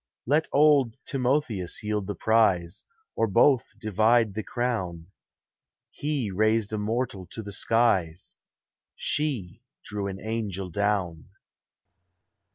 Let old Timotheus yield the prize, Or both divide the crown : He raised a mortal to the skies, She drew an angel down.